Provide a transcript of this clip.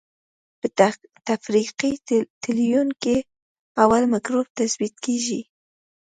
په تفریقي تلوین کې اول مکروب تثبیت کیږي.